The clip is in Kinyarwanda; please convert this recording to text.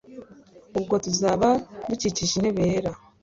Ubwo tuzaba dukikije intebe yera